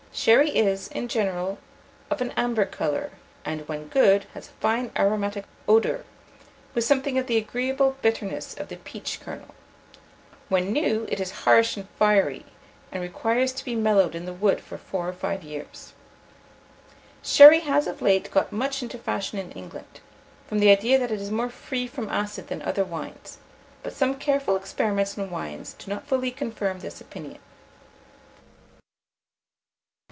Sherry is, in general, of an amber colour, and, when good, has a fine aromatic odour, with something of the agreeable bitterness of the peach kernel. When new, it is harsh and fiery, and requires to be mellowed in the wood for four or five years. Sherry has of late got much into fashion in England, from the idea that it is more free from acid than other wines; but some careful experiments on wines do not fully confirm this opinion.